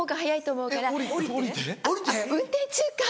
運転中かぁ。